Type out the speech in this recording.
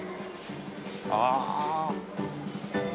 ああ。